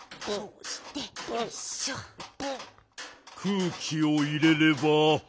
空気を入れれば